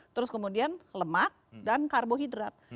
terus kemudian lemak dan karbohidrat